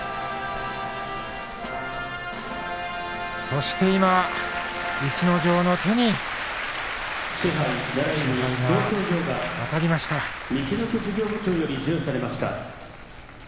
そして今、逸ノ城の手に賜盃が渡りました。